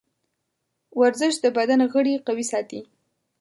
ورزش د بدن غړي قوي ساتي.